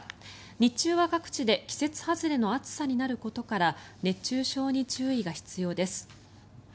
日中は各地で季節外れの暑さとなることから熱中症に注意が必要です。